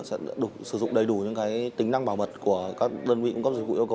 sẽ đủ sử dụng đầy đủ những cái tính năng bảo mật của các đơn vị cung cấp dịch vụ yêu cầu hay chưa